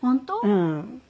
うん。